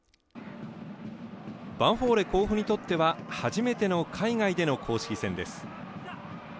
ヴァンフォーレ甲府にとっては、初めての海外での公式戦です。